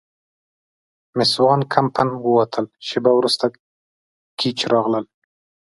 مېس وان کمپن ووتل، شیبه وروسته ګېج راغلل.